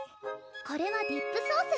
これはディップソース